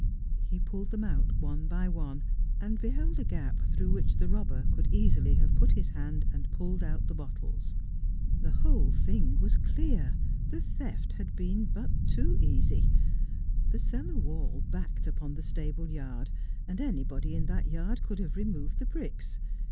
He pulled them out one by one, and beheld a gap through which the robber could easily have put his hand and pulled out the bottles. The whole thing was clear : the theft had been but too easy. The cellar wall backed upon the stable yard, and anybody "in that i" must bide my Time. 213 yard could have removed the bricks.